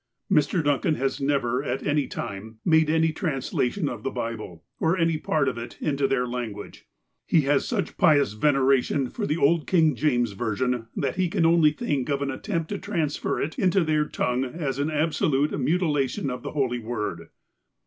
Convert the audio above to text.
Mr. Duncan has never at any time made any transla tion of the Bible, or any part of it, into their language. He has such pious veneration for the old King James version, that he can only think of an attempt to transfer it into their tongue as an absolute mutilation of the Holy Word.